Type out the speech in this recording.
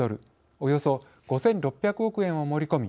およそ５６００億円を盛り込み